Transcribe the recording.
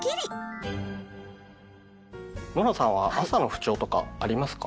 ノラさんは朝の不調とかありますか？